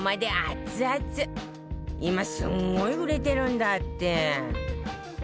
今すんごい売れてるんだって